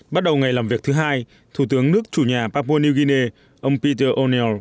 bắt đầu ngày làm việc thứ hai thủ tướng nước chủ nhà papua new guinea ông peter o neill